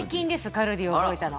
カルディを覚えたの。